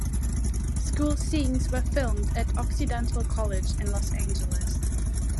School scenes were filmed at Occidental College in Los Angeles.